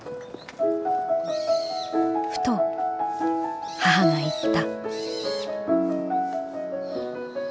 ふと母が言った」。